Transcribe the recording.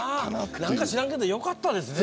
何か知らんけど良かったですね。